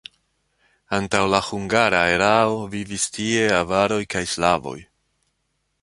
Antaŭ la hungara erao vivis tie avaroj kaj slavoj.